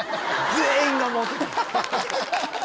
全員が思ってたよ。